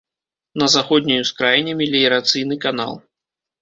На заходняй ускраіне меліярацыйны канал.